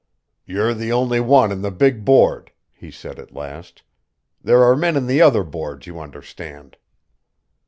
"You're the only one in the big Board," he said at last. "There are men in the other Boards, you understand."